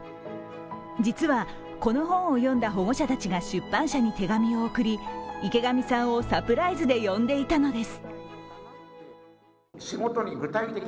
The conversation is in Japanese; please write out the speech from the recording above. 実は、この本を読んだ保護者たちが出版社に手紙を送り池上さんをサプライズで呼んでいたのです。